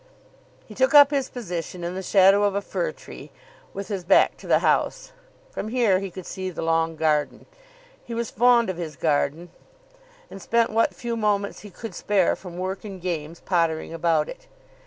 He took up his position in the shadow of a fir tree with his back to the house. From here he could see the long garden. He was fond of his garden, and spent what few moments he could spare from work and games pottering about it.